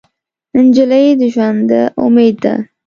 نجلۍ د ژونده امید ده.